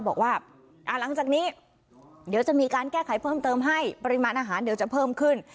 บอกว่าหลังจากนี้เดี๋ยวจะมีการแก้ไขเพิ่มเติมให้ปริมาณอาหารเดี๋ยวจะเพิ่มขึ้น